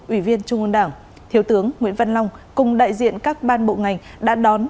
ủy viên trung ương đảng thiếu tướng nguyễn văn long cùng đại diện các ban bộ ngành đã đón